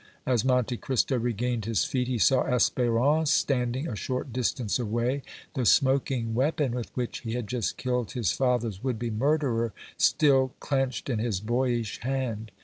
As Monte Cristo regained his feet he saw Espérance standing a short distance away, the smoking weapon with which he had just killed his father's would be murderer still clenched in his boyish hand.